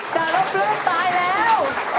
จรบลืมตายแล้ว